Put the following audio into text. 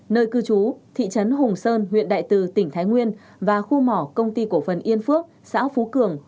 nơi cư trú thị trấn hùng sơn huyện đại tư